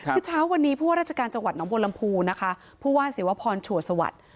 เมื่อเช้าวันนี้พูดว่าราชการนำบวลลำพูนะคะผู้ว่าสิวพรผ่อนฉัวสวรรค์